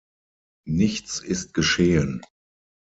Nichts ist geschehen.